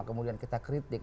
kemudian kita kritik